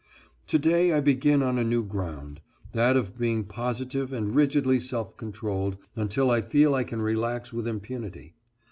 To day I begin on a new ground, that of being positive and rigidly self controlled until I feel I can relax with impunity.